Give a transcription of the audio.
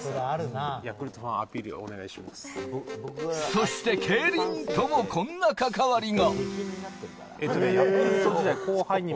そして競輪ともこんな関わりが。